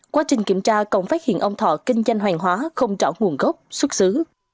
quá trình kiểm tra còn phát hiện ông thọ kinh doanh hoàng hóa không rõ nguồn gốc xuất xứ